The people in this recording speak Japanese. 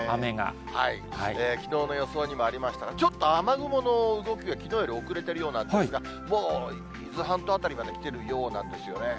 きのうの予想にもありましたが、ちょっと雨雲の動きがきのうより遅れているようなんですが、もう伊豆半島辺りまで来てるようなんですよね。